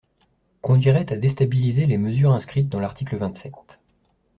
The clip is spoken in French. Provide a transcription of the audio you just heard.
– conduiraient à déstabiliser les mesures inscrites dans l’article vingt-sept.